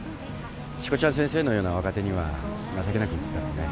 しこちゃん先生のような若手には情けなく映ったろうね。